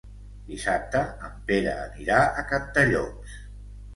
Dissabte en Pere anirà a Cantallops.